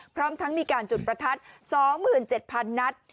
พร้อมทั้งมีการจุดประทัด๒๗๐๐นัด